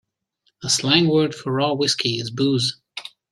The slang word for raw whiskey is booze.